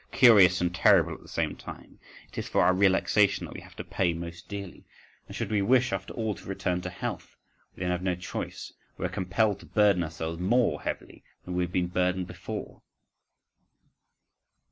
Curious and terrible at the same time! It is for our relaxation that we have to pay most dearly! And should we wish after all to return to health, we then have no choice: we are compelled to burden ourselves more heavily than we had been burdened before.